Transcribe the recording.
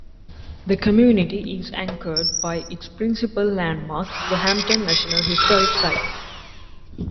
The community is anchored by its principal landmark, the Hampton National Historic Site.